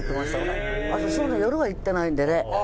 私そんな夜は行ってないんでね。